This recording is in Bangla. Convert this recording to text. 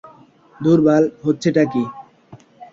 ধুর বাল, হচ্ছেটা কি?